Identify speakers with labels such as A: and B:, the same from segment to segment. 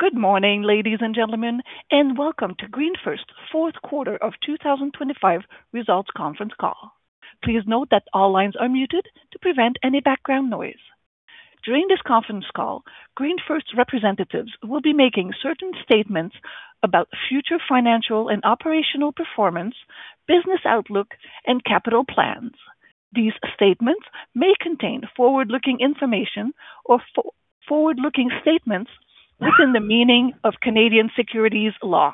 A: Good morning, ladies and gentlemen, and welcome to GreenFirst fourth quarter of 2025 results conference call. Please note that all lines are muted to prevent any background noise. During this conference call, GreenFirst representatives will be making certain statements about future financial and operational performance, business outlook and capital plans. These statements may contain forward-looking information or forward-looking statements within the meaning of Canadian securities law.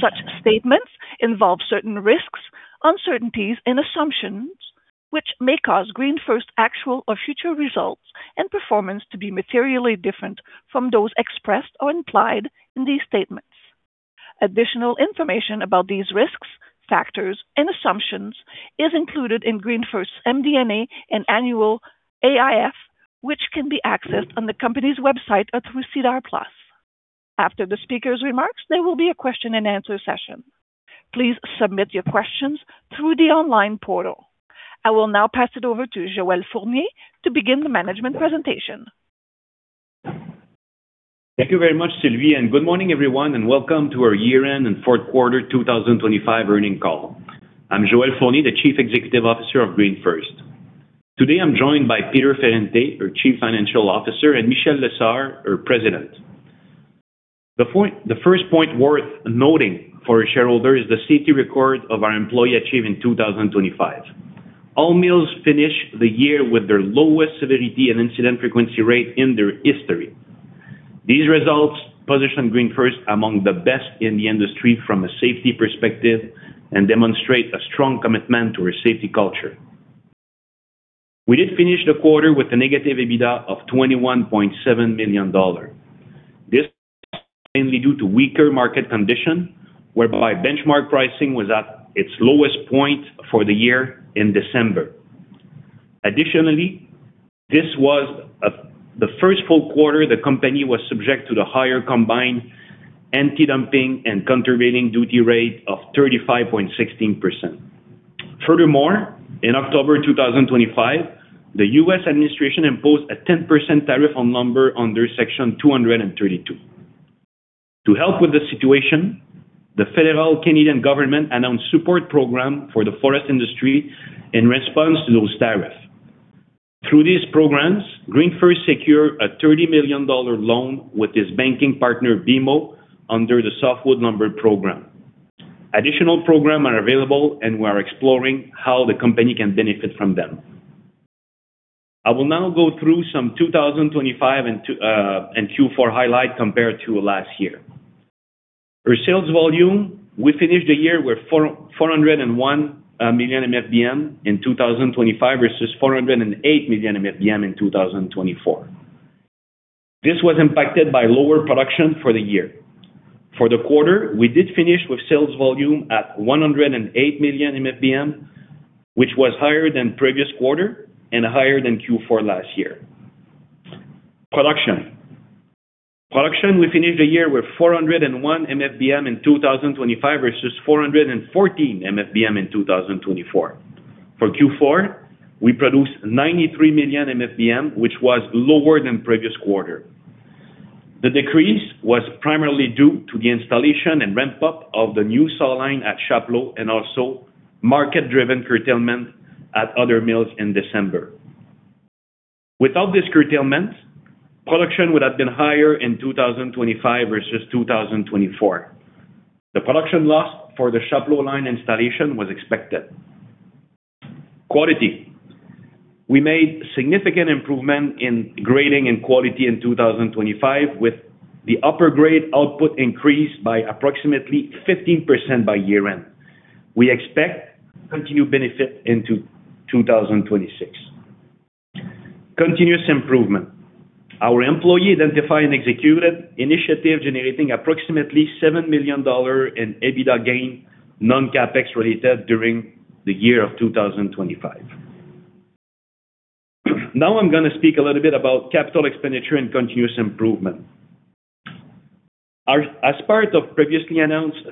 A: Such statements involve certain risks, uncertainties and assumptions which may cause GreenFirst's actual or future results and performance to be materially different from those expressed or implied in these statements. Additional information about these risks, factors and assumptions is included in GreenFirst's MD&A and annual AIF, which can be accessed on the company's website or through SEDAR+. After the speaker's remarks, there will be a question-and-answer session. Please submit your questions through the online portal. I will now pass it over to Joel Fournier to begin the management presentation.
B: Thank you very much, Sylvie, and good morning, everyone, and welcome to our year-end and fourth quarter 2025 earnings call. I'm Joel Fournier, the Chief Executive Officer of GreenFirst. Today, I'm joined by Peter Ferrante, our Chief Financial Officer, and Michel Lessard, our President. The first point worth noting for our shareholders is the safety record of our employee achieved in 2025. All mills finished the year with their lowest severity and incident frequency rate in their history. These results position GreenFirst among the best in the industry from a safety perspective and demonstrate a strong commitment to our safety culture. We did finish the quarter with a negative EBITDA of 21.7 million dollars. This is mainly due to weaker market condition, whereby benchmark pricing was at its lowest point for the year in December. Additionally, this was the first full quarter the company was subject to the higher combined antidumping and countervailing duty rate of 35.16%. Furthermore, in October 2025, the U.S. administration imposed a 10% tariff on lumber under Section 232. To help with the situation, the federal Canadian government announced support program for the forest industry in response to those tariffs. Through these programs, GreenFirst secured a CAD 30 million loan with its banking partner, BMO, under the Softwood Lumber Program. Additional program are available and we are exploring how the company can benefit from them. I will now go through some 2025 and Q4 highlight compared to last year. Our sales volume, we finished the year with 401 million MFBM in 2025 versus 408 million MFBM in 2024. This was impacted by lower production for the year. For the quarter, we did finish with sales volume at 108 million MFBM, which was higher than previous quarter and higher than Q4 last year. Production, we finished the year with 401 MFBM in 2025 versus 414 MFBM in 2024. For Q4, we produced 93 million MFBM, which was lower than previous quarter. The decrease was primarily due to the installation and ramp-up of the new saw line at Chapleau and also market-driven curtailment at other mills in December. Without this curtailment, production would have been higher in 2025 versus 2024. The production loss for the Chapleau line installation was expected. Quality. We made significant improvement in grading and quality in 2025, with the upper grade output increased by approximately 15% by year-end. We expect continued benefit into 2026. Continuous improvement. Our employees identified and executed initiatives generating approximately 7 million dollars in EBITDA gain, non-CapEx related during the year of 2025. Now I'm gonna speak a little bit about capital expenditure and continuous improvement. As part of previously announced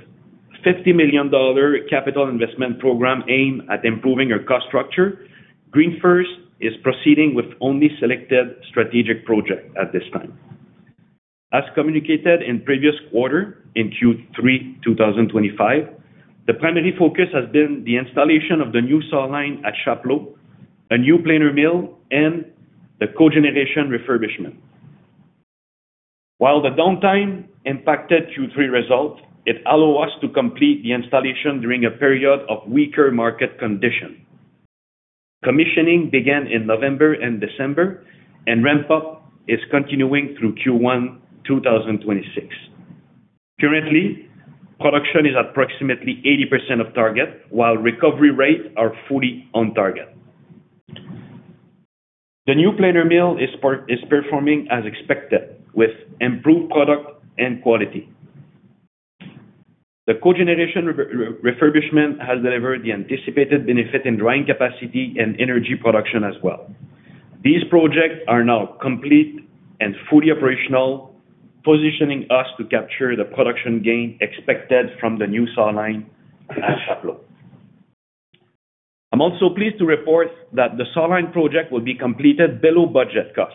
B: 50 million dollar capital investment program aimed at improving our cost structure, GreenFirst is proceeding with only selected strategic projects at this time. As communicated in previous quarter, in Q3 2025, the primary focus has been the installation of the new saw line at Chapleau, a new planer mill and the cogeneration refurbishment. While the downtime impacted Q3 results, it allowed us to complete the installation during a period of weaker market conditions. Commissioning began in November and December, and ramp-up is continuing through Q1 2026. Currently, production is approximately 80% of target while recovery rates are fully on target. The new planer mill is performing as expected with improved product and quality. The cogeneration refurbishment has delivered the anticipated benefit in drying capacity and energy production as well. These projects are now complete and fully operational, positioning us to capture the production gain expected from the new saw line at Chapleau. I'm also pleased to report that the sawline project will be completed below budget cost,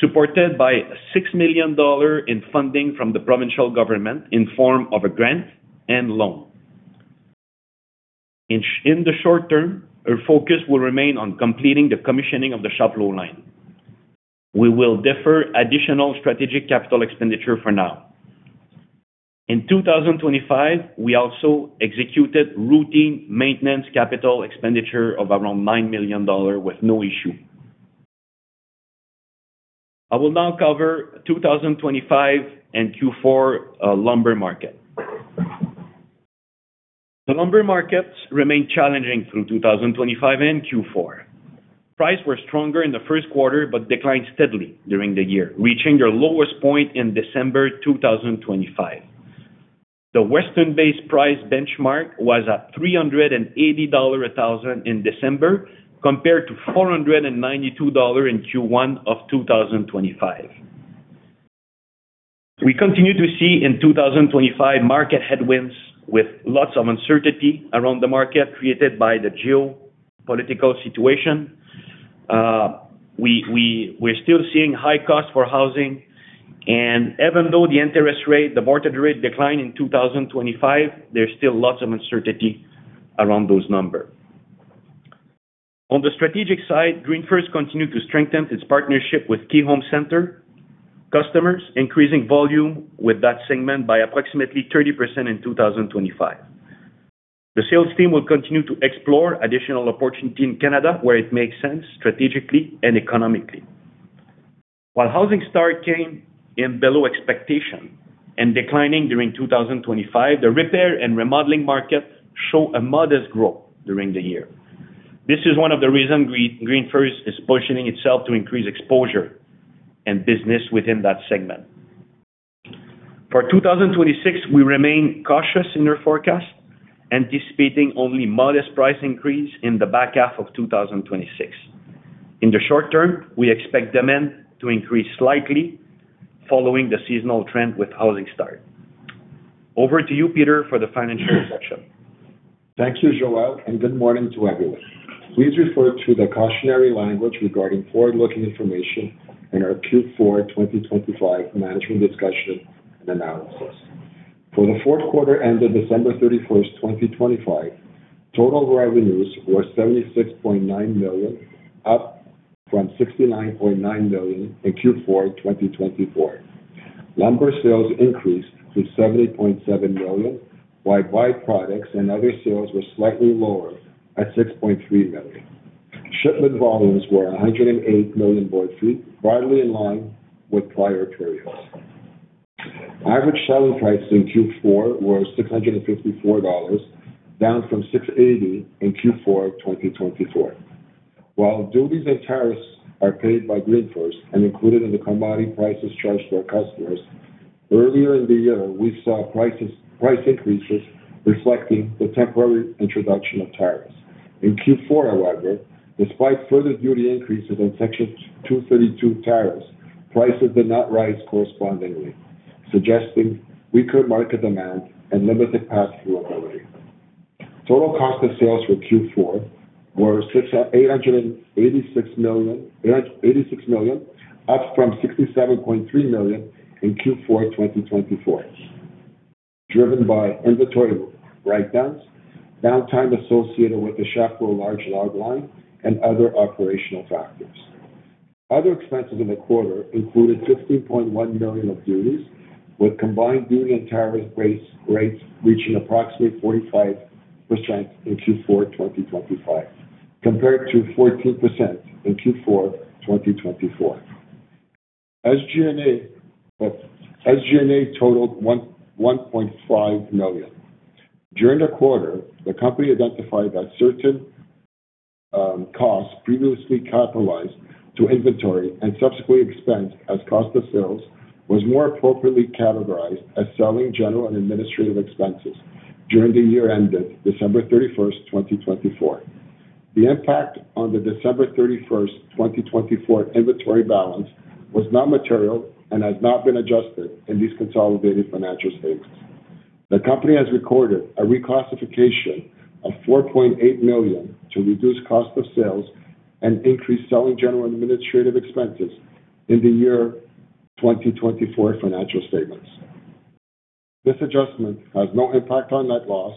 B: supported by 6 million dollar in funding from the provincial government in form of a grant and loan. In the short term, our focus will remain on completing the commissioning of the Chapleau line. We will defer additional strategic capital expenditure for now. In 2025, we also executed routine maintenance capital expenditure of around 9 million dollars with no issue. I will now cover 2025 and Q4 lumber market. The lumber markets remained challenging through 2025 and Q4. Prices were stronger in the first quarter but declined steadily during the year, reaching their lowest point in December 2025. The Western-based price benchmark was at $380 a thousand in December, compared to $492 in Q1 of 2025. We continue to see in 2025 market headwinds with lots of uncertainty around the market created by the geopolitical situation. We're still seeing high costs for housing. Even though the interest rate, the mortgage rate declined in 2025, there's still lots of uncertainty around those numbers. On the strategic side, GreenFirst continued to strengthen its partnership with Key Home Center customers, increasing volume with that segment by approximately 30% in 2025. The sales team will continue to explore additional opportunities in Canada where it makes sense strategically and economically. While housing start came in below expectation and declining during 2025, the repair and remodeling market show a modest growth during the year. This is one of the reasons GreenFirst is positioning itself to increase exposure and business within that segment. For 2026, we remain cautious in our forecast, anticipating only modest price increase in the back half of 2026. In the short term, we expect demand to increase slightly following the seasonal trend with housing starts. Over to you, Peter, for the financial section.
C: Thank you, Joel, and good morning to everyone. Please refer to the cautionary language regarding forward-looking information in our Q4 2025 management discussion and analysis. For the fourth quarter ended December 31, 2025, total revenues were 76.9 million, up from 69.9 million in Q4 2024. Lumber sales increased to 70.7 million, while byproducts and other sales were slightly lower at 6.3 million. Shipment volumes were 108 million board feet, broadly in line with prior periods. Average selling price in Q4 was $654, down from $680 in Q4 2024. While duties and tariffs are paid by GreenFirst and included in the combined prices charged to our customers, earlier in the year, we saw price increases reflecting the temporary introduction of tariffs. In Q4, however, despite further duty increases in Section 232 tariffs, prices did not rise correspondingly, suggesting weaker market demand and limited pass-through authority. Total cost of sales for Q4 were 686 million, up from 67.3 million in Q4 2024, driven by inventory write-downs, downtime associated with the shift for a large log line and other operational factors. Other expenses in the quarter included 15.1 million of duties, with combined duty and tariff base rates reaching approximately 45% in Q4 2025, compared to 14% in Q4 2024. SG&A totaled 1.5 million. During the quarter, the company identified that certain costs previously capitalized to inventory and subsequently expensed as cost of sales was more appropriately categorized as selling general and administrative expenses during the year ended December 31, 2024. The impact on the December 31, 2024 inventory balance was not material and has not been adjusted in these consolidated financial statements. The company has recorded a reclassification of 4.8 million to reduce cost of sales and increase selling general and administrative expenses in the year 2024 financial statements. This adjustment has no impact on net loss,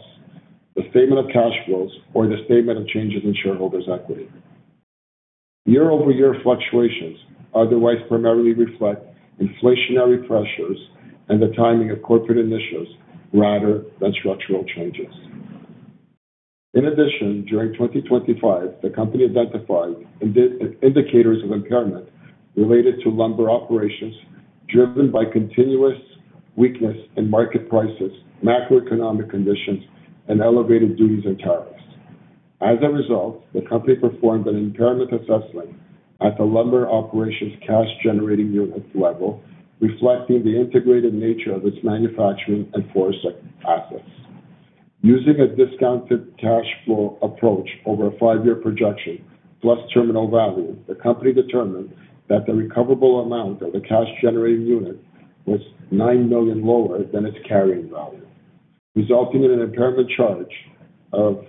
C: the statement of cash flows or the statement of changes in shareholders' equity. Year-over-year fluctuations otherwise primarily reflect inflationary pressures and the timing of corporate initiatives rather than structural changes. In addition, during 2025, the company identified indicators of impairment related to lumber operations driven by continuous weakness in market prices, macroeconomic conditions and elevated duties and tariffs. As a result, the company performed an impairment assessment at the lumber operations cash generating unit level, reflecting the integrated nature of its manufacturing and forest assets. Using a discounted cash flow approach over a five-year projection plus terminal value, the company determined that the recoverable amount of the cash generating unit was 9 million lower than its carrying value, resulting in an impairment charge of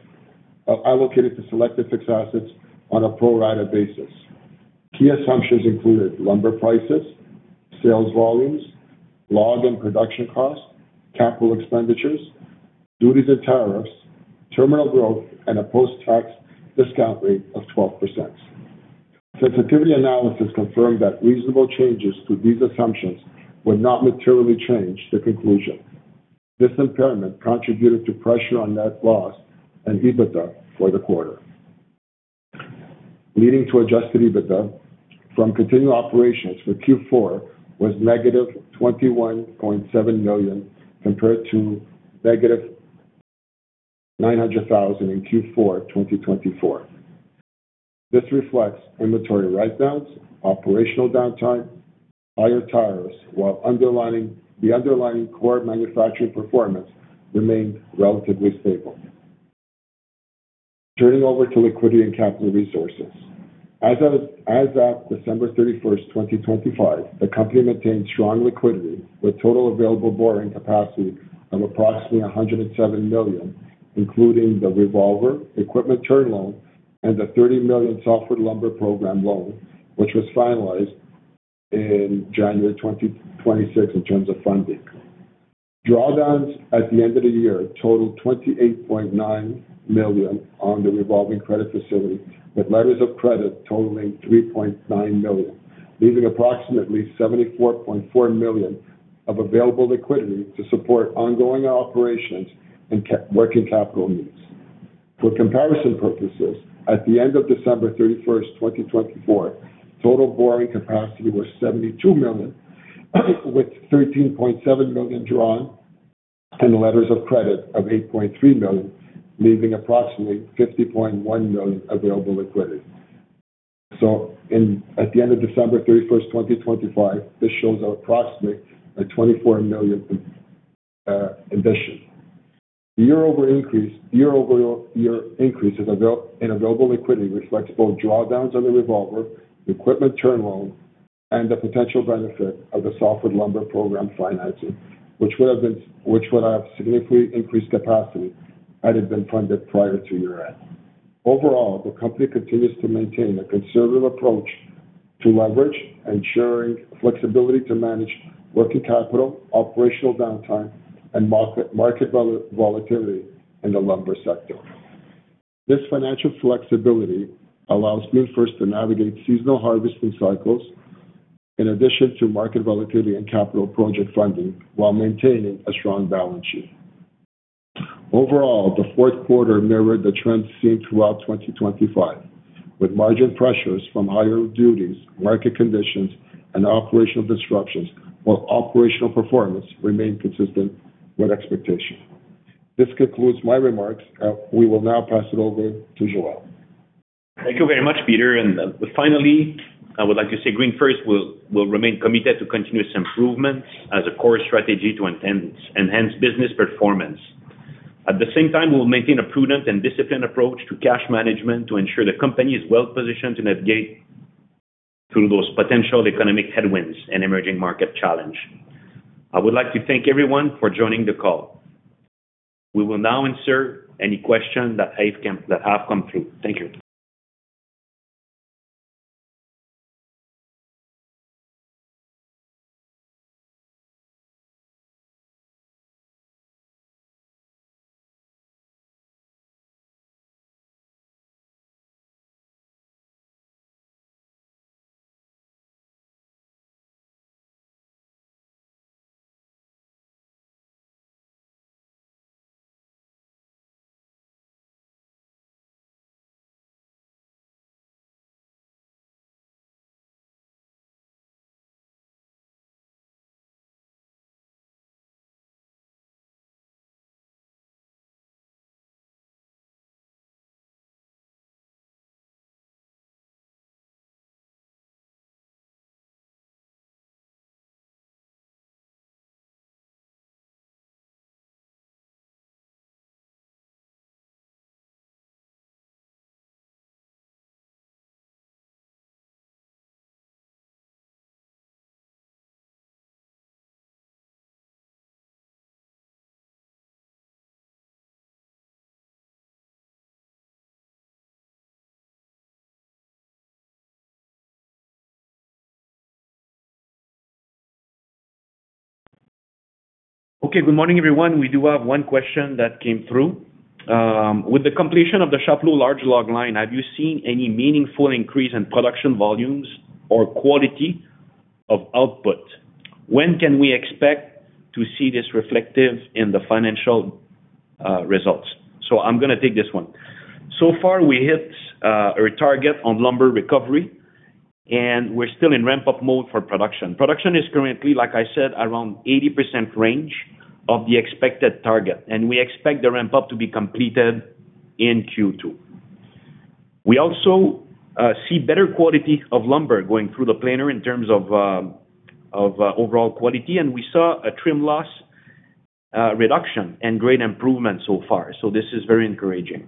C: allocated to selected fixed assets on a pro rata basis. Key assumptions included lumber prices, sales volumes, log and production costs, capital expenditures, duties and tariffs, terminal growth, and a post-tax discount rate of 12%. Sensitivity analysis confirmed that reasonable changes to these assumptions would not materially change the conclusion. This impairment contributed to pressure on net loss and EBITDA for the quarter. Adjusted EBITDA from continuing operations for Q4 was -21.7 million compared to -900 thousand in Q4 2024. This reflects inventory write-downs, operational downtime, higher tariffs, while underlining the underlying core manufacturing performance remained relatively stable. Turning to liquidity and capital resources. As of December 31, 2025, the company maintained strong liquidity with total available borrowing capacity of approximately 107 million, including the revolver, equipment term loan, and the 30 million Softwood Lumber Guarantee Program loan, which was finalized in January 2026 in terms of funding. Drawdowns at the end of the year totaled 28.9 million on the revolving credit facility, with letters of credit totaling 3.9 million, leaving approximately 74.4 million of available liquidity to support ongoing operations and working capital needs. For comparison purposes, at the end of December 31, 2024, total borrowing capacity was 72 million, with 13.7 million drawn and letters of credit of 8.3 million, leaving approximately 50.1 million available liquidity. At the end of December 31, 2025, this shows approximately a 24 million addition. Year-over-year increase in available liquidity reflects both drawdowns on the revolver, equipment term loan, and the potential benefit of the Softwood Lumber Guarantee Program financing, which would have significantly increased capacity had it been funded prior to year-end. Overall, the company continues to maintain a conservative approach to leverage, ensuring flexibility to manage working capital, operational downtime, and market volatility in the lumber sector. This financial flexibility allows GreenFirst to navigate seasonal harvesting cycles in addition to market volatility and capital project funding while maintaining a strong balance sheet. Overall, the fourth quarter mirrored the trends seen throughout 2025, with margin pressures from higher duties, market conditions, and operational disruptions, while operational performance remained consistent with expectations. This concludes my remarks. We will now pass it over to Joel.
B: Thank you very much, Peter. Finally, I would like to say GreenFirst will remain committed to continuous improvement as a core strategy to enhance business performance. At the same time, we'll maintain a prudent and disciplined approach to cash management to ensure the company is well-positioned to navigate through those potential economic headwinds and emerging market challenge. I would like to thank everyone for joining the call. We will now answer any questions that have come through. Thank you. Okay. Good morning, everyone. We do have one question that came through. With the completion of the Chapleau large log line, have you seen any meaningful increase in production volumes or quality of output? When can we expect to see this reflective in the financial results? I'm gonna take this one. Far, we hit a target on lumber recovery, and we're still in ramp-up mode for production. Production is currently, like I said, around 80% range of the expected target, and we expect the ramp-up to be completed in Q2. We also see better quality of lumber going through the planer in terms of overall quality, and we saw a trim loss reduction and great improvement so far. This is very encouraging.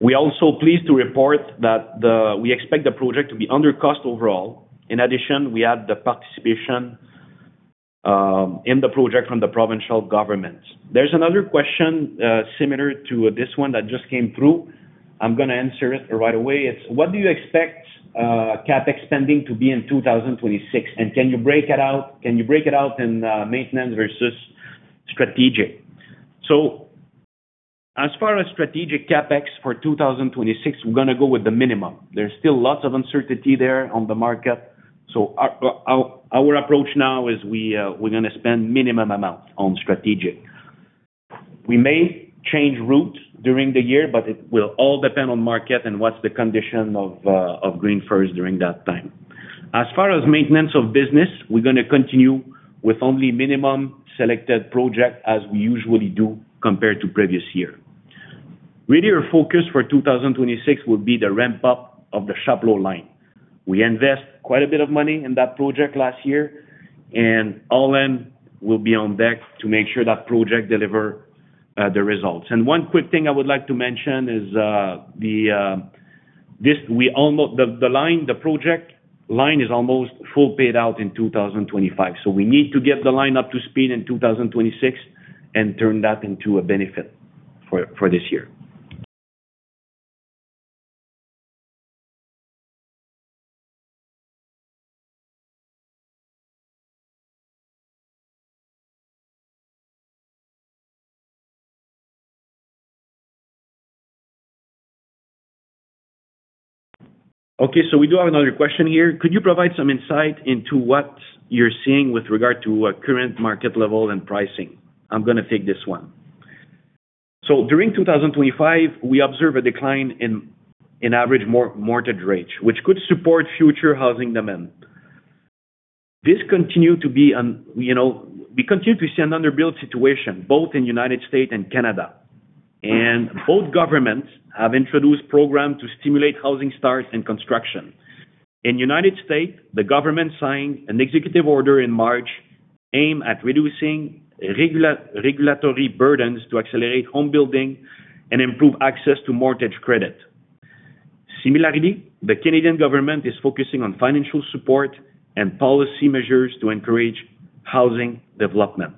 B: We are also pleased to report that the, we expect the project to be under cost overall. In addition, we have the participation in the project from the provincial government. There's another question similar to this one that just came through. I'm gonna answer it right away. What do you expect CapEx spending to be in 2026, and can you break it out in maintenance versus strategic? As far as strategic CapEx for 2026, we're gonna go with the minimum. There's still lots of uncertainty there on the market. Our approach now is we're gonna spend minimum amount on strategic. We may change routes during the year, but it will all depend on market and what's the condition of GreenFirst during that time. As far as maintenance of business, we're gonna continue with only minimum selected project as we usually do compared to previous year. Really our focus for 2026 will be the ramp-up of the Chapleau line. We invest quite a bit of money in that project last year, and Allan will be on deck to make sure that project delivers the results. One quick thing I would like to mention is the line, the project line is almost fully paid out in 2025. We need to get the line up to speed in 2026 and turn that into a benefit for this year. We do have another question here. Could you provide some insight into what you're seeing with regard to current market levels and pricing? I'm gonna take this one. During 2025, we observe a decline in average mortgage rates, which could support future housing demand. This continues to be an, you know, we continue to see an underbuild situation both in United States and Canada. Both governments have introduced program to stimulate housing starts and construction. In United States, the government signed an executive order in March aimed at reducing regulatory burdens to accelerate home building and improve access to mortgage credit. Similarly, the Canadian government is focusing on financial support and policy measures to encourage housing development.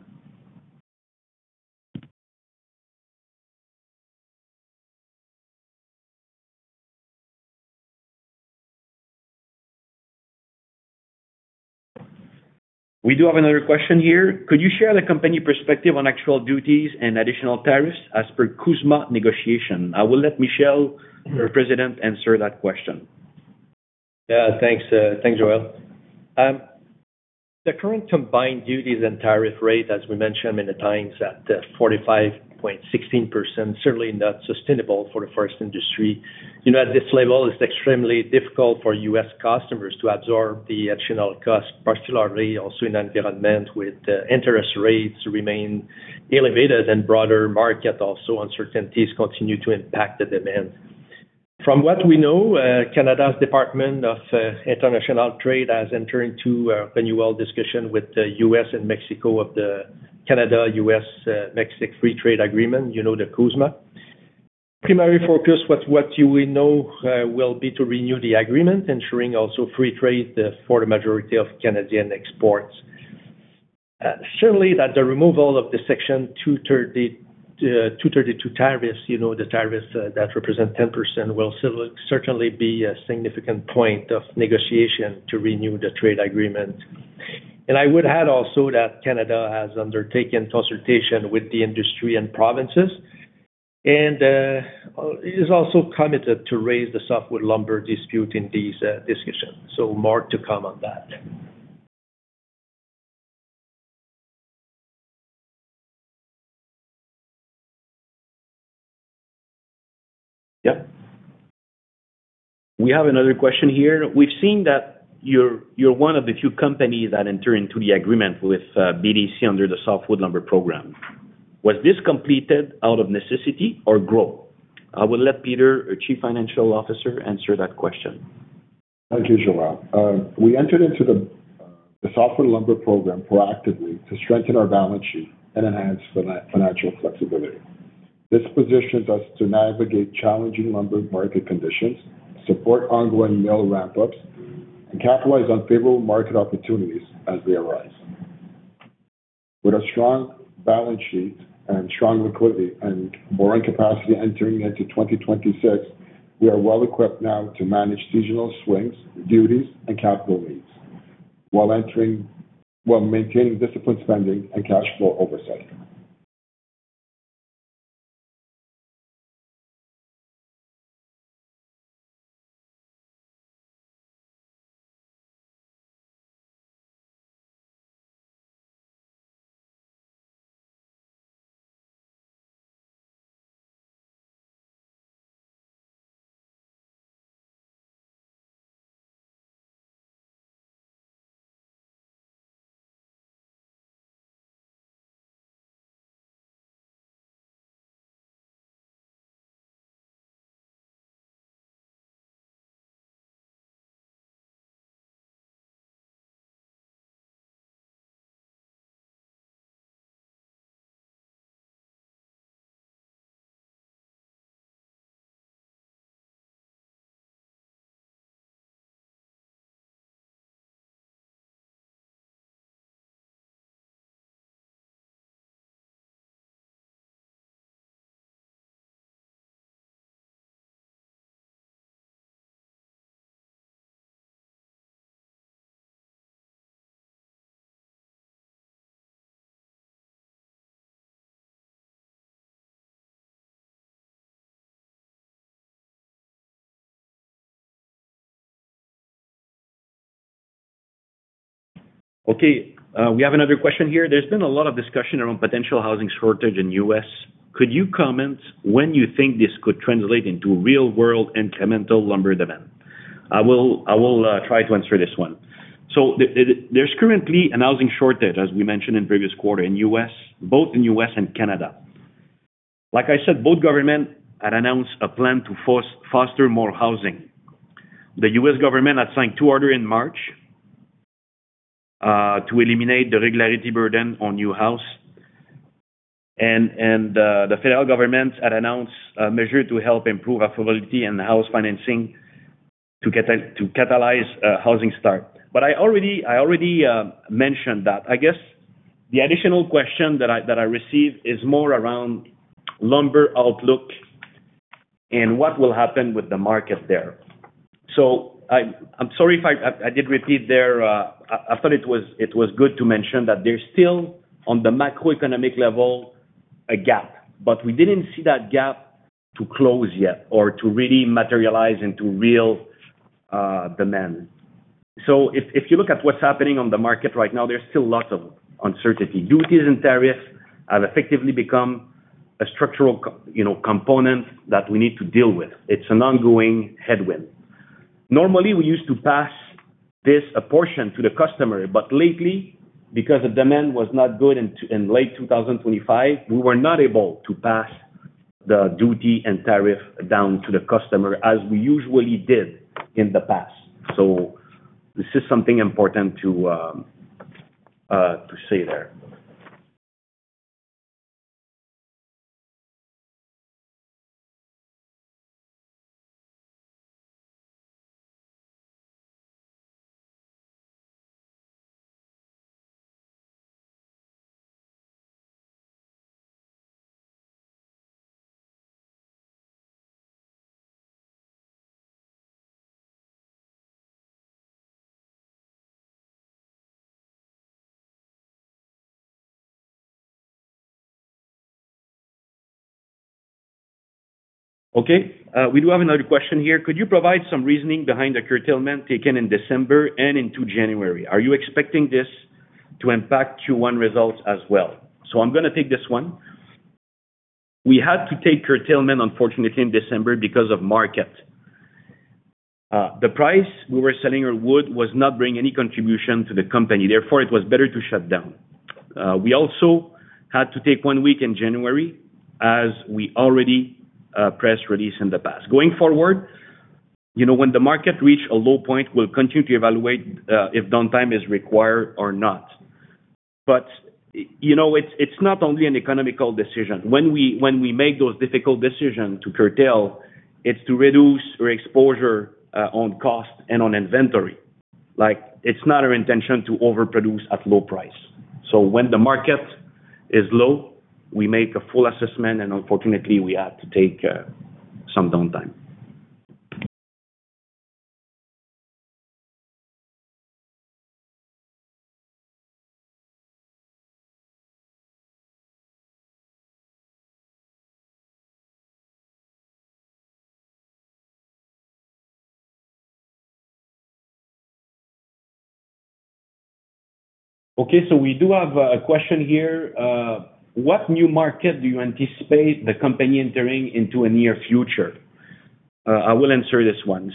B: We do have another question here. Could you share the company perspective on actual duties and additional tariffs as per CUSMA negotiation? I will let Michel, our President, answer that question.
D: Yeah, thanks, Joel. The current combined duties and tariff rate, as we mentioned many times, at 45.16% certainly not sustainable for the forest industry. You know, at this level, it's extremely difficult for U.S. customers to absorb the additional cost, particularly also in environment with interest rates remain elevated and broader market also uncertainties continue to impact the demand. From what we know, Canada's Department of International Trade has entered into a renewal discussion with the U.S. and Mexico of the Canada-U.S.-Mexico Free Trade Agreement, you know, the CUSMA. Primary focus with what you will know will be to renew the agreement, ensuring also free trade for the majority of Canadian exports. Certainly that the removal of the Section 232 tariffs, you know, the tariffs that represent 10% will still certainly be a significant point of negotiation to renew the trade agreement. I would add also that Canada has undertaken consultation with the industry and provinces, and is also committed to raise the softwood lumber dispute in these discussions. More to come on that.
B: Yeah. We have another question here. We've seen that you're one of the few companies that enter into the agreement with BDC under the Softwood Lumber Program. Was this completed out of necessity or growth? I will let Peter, our Chief Financial Officer, answer that question.
C: Thank you, Joel. We entered into the Softwood Lumber Program proactively to strengthen our balance sheet and enhance financial flexibility. This positions us to navigate challenging lumber market conditions, support ongoing mill ramp-ups, and capitalize on favorable market opportunities as they arise. With a strong balance sheet and strong liquidity and borrowing capacity entering into 2026, we are well equipped now to manage seasonal swings, duties, and capital needs while maintaining disciplined spending and cash flow oversight.
B: Okay, we have another question here. There's been a lot of discussion around potential housing shortage in U.S. Could you comment when you think this could translate into real world incremental lumber demand? I will try to answer this one. There's currently a housing shortage, as we mentioned in previous quarter in U.S., both in U.S. and Canada. Like I said, both governments had announced a plan to foster more housing. The U.S. government had signed two orders in March to eliminate the regulatory burden on new housing. The federal government had announced a measure to help improve affordability and housing financing to catalyze housing starts. I already mentioned that. I guess the additional question that I received is more around lumber outlook and what will happen with the market there. I'm sorry if I did repeat there. I thought it was good to mention that there's still, on the macroeconomic level, a gap. We didn't see that gap to close yet or to really materialize into real demand. If you look at what's happening on the market right now, there's still lots of uncertainty. Duties and tariffs have effectively become a structural component that we need to deal with, you know. It's an ongoing headwind. Normally, we used to pass this apportion to the customer, but lately, because the demand was not good in late 2025, we were not able to pass the duty and tariff down to the customer as we usually did in the past. This is something important to say there. Okay. We do have another question here. Could you provide some reasoning behind the curtailment taken in December and into January? Are you expecting this to impact Q1 results as well? I'm gonna take this one. We had to take curtailment unfortunately in December because of market. The price we were selling our wood was not bringing any contribution to the company, therefore it was better to shut down. We also had to take one week in January as we already press release in the past. Going forward, you know, when the market reach a low point, we'll continue to evaluate if downtime is required or not. But you know, it's not only an economical decision. When we make those difficult decisions to curtail, it's to reduce our exposure on cost and on inventory. Like, it's not our intention to overproduce at low price. When the market is low, we make a full assessment, and unfortunately, we have to take some downtime. Okay, we do have a question here. What new market do you anticipate the company entering in the near future? I will answer this one.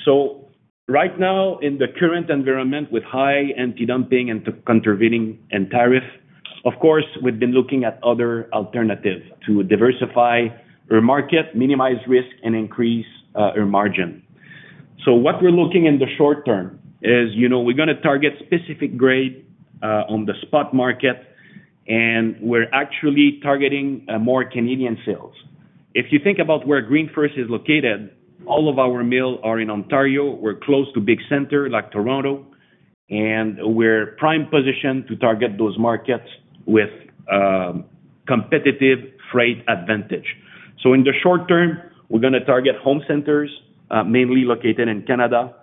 B: Right now in the current environment with high antidumping and countervailing duties and tariffs, of course, we've been looking at other alternatives to diversify our market, minimize risk, and increase our margin. What we're looking in the short term is, you know, we're gonna target specific grade on the spot market, and we're actually targeting more Canadian sales. If you think about where GreenFirst is located, all of our mills are in Ontario. We're close to big center like Toronto, and we're prime positioned to target those markets with competitive freight advantage. In the short term, we're gonna target home centers mainly located in Canada,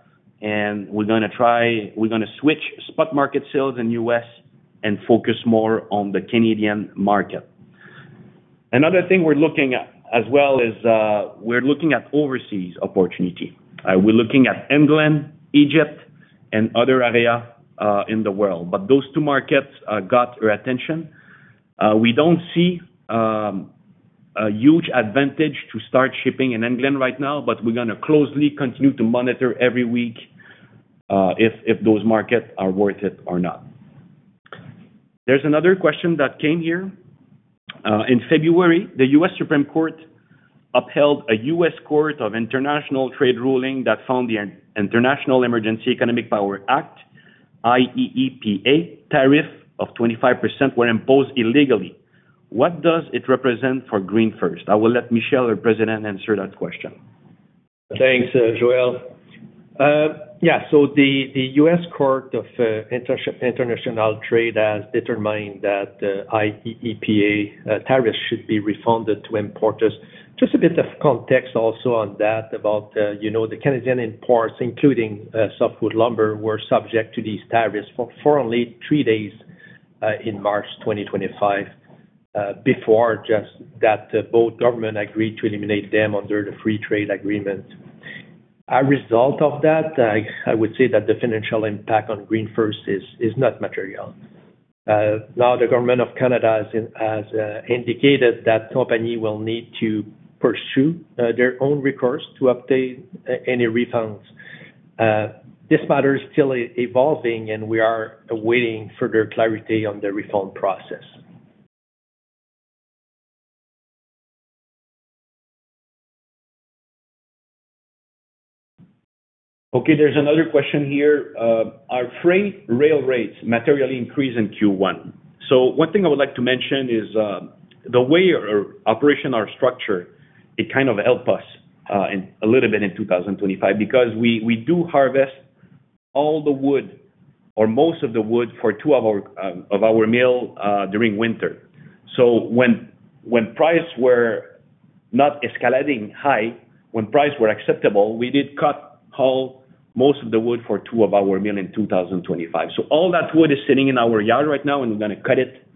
B: and we're gonna switch spot market sales in U.S. and focus more on the Canadian market. Another thing we're looking at as well is we're looking at overseas opportunity. We're looking at England, Egypt, and other area in the world. Those two markets got our attention. We don't see a huge advantage to start shipping in England right now, but we're gonna closely continue to monitor every week if those markets are worth it or not. There's another question that came here. In February, the U.S. Supreme Court upheld a U.S. Court of International Trade ruling that found the International Emergency Economic Powers Act, IEEPA tariff of 25% were imposed illegally. What does it represent for GreenFirst? I will let Michel, our President, answer that question.
D: Thanks, Joel. The United States Court of International Trade has determined that IEEPA tariffs should be refunded to importers. Just a bit of context also on that about, you know, the Canadian imports, including softwood lumber, were subject to these tariffs for only 3 days in March 2025 before just that both governments agreed to eliminate them under the Free Trade Agreement. As a result of that, I would say that the financial impact on GreenFirst is not material. Now the government of Canada has indicated that companies will need to pursue their own recourse to obtain any refunds. This matter is still evolving, and we are awaiting further clarity on the refund process. Okay, there's another question here. Our freight rail rates materially increased in Q1.
B: One thing I would like to mention is the way our operations are structured. It kind of helped us a little bit in 2025 because we do harvest all the wood or most of the wood for two of our mills during winter. When prices were not escalating high, when prices were acceptable, we did cut most of the wood for two of our mills in 2025. All that wood is sitting in our yard right now, and we're going to cut it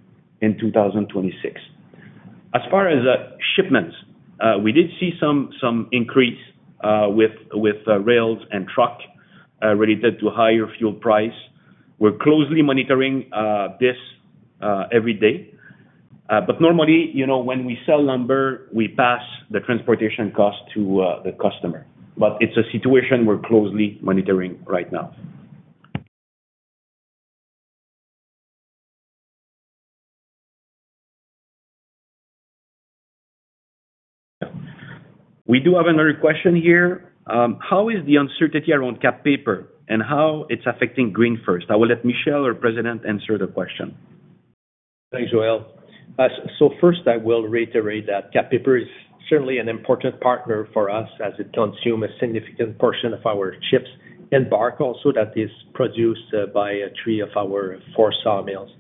B: in 2026. As far as shipments, we did see some increase with rails and trucks related to higher fuel prices. We're closely monitoring this every day. Normally, you know, when we sell lumber, we pass the transportation cost to the customer. It's a situation we're closely monitoring right now. We do have another question here. How is the uncertainty around Kap Paper and how it's affecting GreenFirst? I will let Michel, President answer the question. Thanks, Joel. First, I will reiterate that Kap Paper is certainly an important partner for us as it consume a significant portion of our chips and bark also that is produced by three of our four sawmills.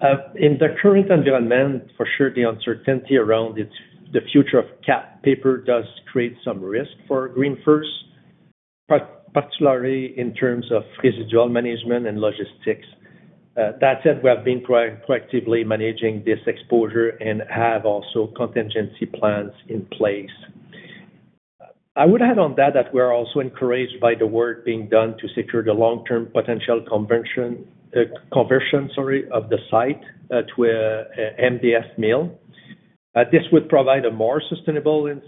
B: In the current environment, for sure, the uncertainty around it, the future of Kap Paper does create some risk for GreenFirst, particularly in terms of residual management and logistics. That said, we have been proactively managing this exposure and have also contingency plans in place.
D: I would add on that that we're also encouraged by the work being done to secure the long-term potential conversion, sorry, of the site to a MDF mill. This would provide a more sustainable and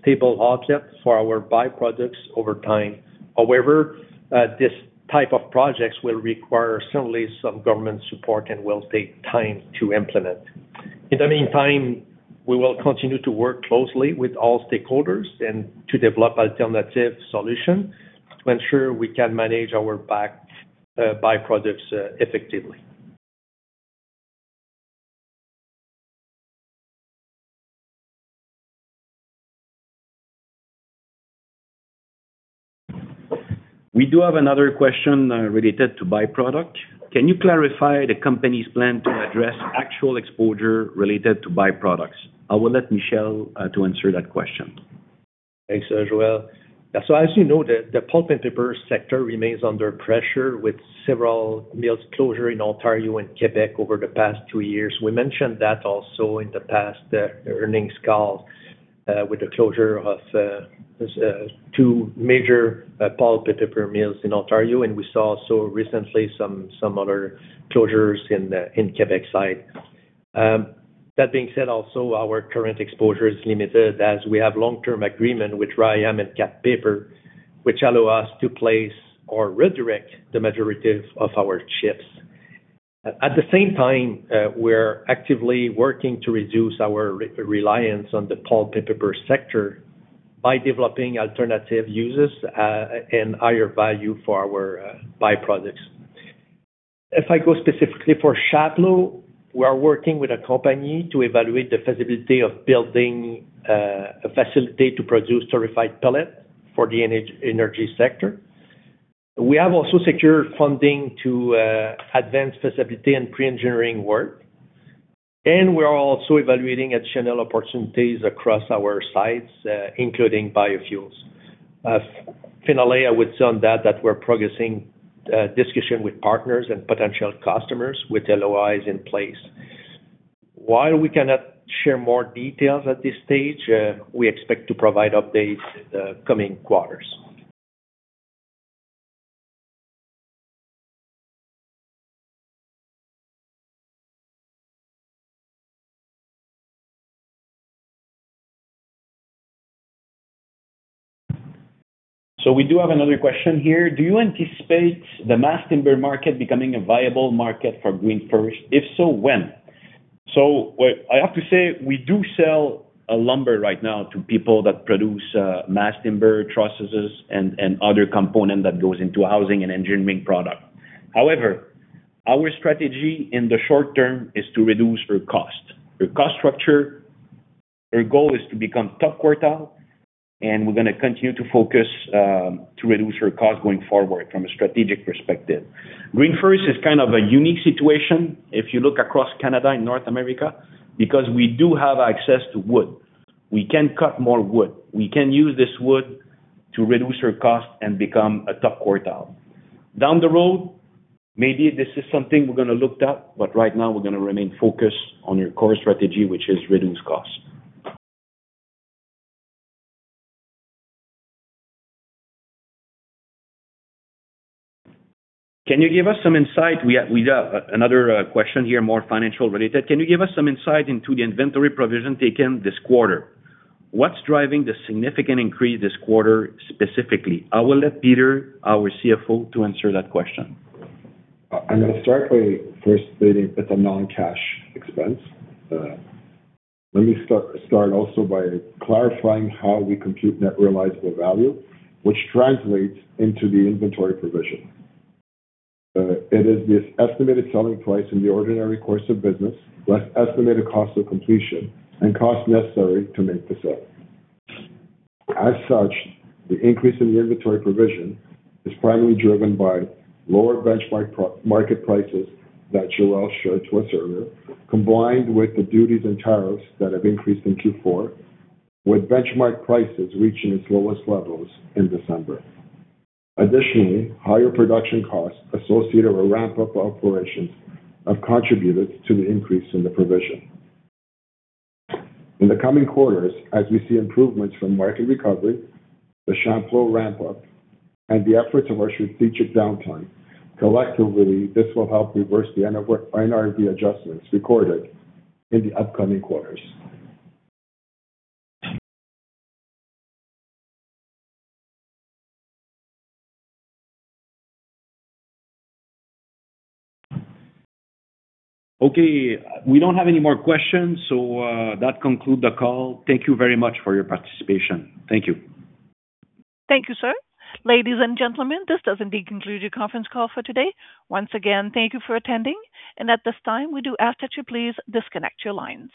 D: stable outlet for our byproducts over time. However, this type of projects will require certainly some government support and will take time to implement. In the meantime, we will continue to work closely with all stakeholders and to develop alternative solution to ensure we can manage our byproducts effectively. We do have another question related to byproduct. Can you clarify the company's plan to address actual exposure related to byproducts? I will let Michel to answer that question. Thanks, Joel. As you know, the pulp and paper sector remains under pressure with several mills closures in Ontario and Quebec over the past two years. We mentioned that also in the past earnings call with the closure of two major pulp and paper mills in Ontario, and we saw also recently some other closures in the Quebec side. That being said, also, our current exposure is limited as we have long-term agreement with RYAM and Kap Paper, which allow us to place or redirect the majority of our chips. At the same time, we're actively working to reduce our reliance on the pulp and paper sector by developing alternative uses and higher value for our byproducts. If I go specifically for Chapleau, we are working with a company to evaluate the feasibility of building a facility to produce torrefied pellet for the energy sector. We have also secured funding to advance feasibility and pre-engineering work. We are also evaluating additional opportunities across our sites, including biofuels. Finally, I would say on that that we're progressing discussion with partners and potential customers with LOIs in place. While we cannot share more details at this stage, we expect to provide updates in the coming quarters.
B: We do have another question here. Do you anticipate the mass timber market becoming a viable market for GreenFirst? If so, when? What I have to say, we do sell lumber right now to people that produce mass timber trusses and other component that goes into housing and engineering product. However, our strategy in the short term is to reduce our cost. Our cost structure, our goal is to become top quartile, and we're gonna continue to focus to reduce our cost going forward from a strategic perspective. GreenFirst is kind of a unique situation if you look across Canada and North America, because we do have access to wood. We can cut more wood. We can use this wood to reduce our cost and become a top quartile. Down the road, maybe this is something we're gonna look at, but right now we're gonna remain focused on your core strategy, which is reduce costs. Can you give us some insight? We have another question here, more financial related. Can you give us some insight into the inventory provision taken this quarter? What's driving the significant increase this quarter, specifically? I will let Peter, our CFO, to answer that question.
C: I'm gonna start by first stating it's a non-cash expense. Let me start also by clarifying how we compute net realizable value, which translates into the inventory provision. It is this estimated selling price in the ordinary course of business, less estimated cost of completion and cost necessary to make the sale. As such, the increase in the inventory provision is primarily driven by lower benchmark pro-market prices that Joel showed to us earlier, combined with the duties and tariffs that have increased in Q4, with benchmark prices reaching its lowest levels in December. Additionally, higher production costs associated with ramp-up operations have contributed to the increase in the provision. In the coming quarters, as we see improvements from market recovery, the Chapleau ramp-up, and the efforts of our strategic downtime, collectively, this will help reverse the NRV adjustments recorded in the upcoming quarters.
B: Okay. We don't have any more questions, so that concludes the call. Thank you very much for your participation. Thank you.
A: Thank you, sir. Ladies and gentlemen, this does indeed conclude your conference call for today. Once again, thank you for attending, and at this time, we do ask that you please disconnect your lines.